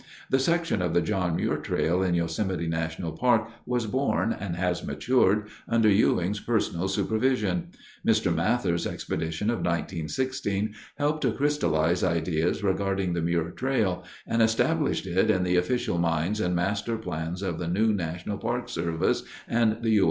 The section of the John Muir Trail in Yosemite National Park was born and has matured under Ewing's personal supervision. Mr. Mather's expedition of 1916 helped to crystallize ideas regarding the Muir Trail and established it in the official minds and master plans of the new National Park Service and the U.